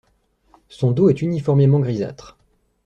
Son dos est uniformément grisâtre.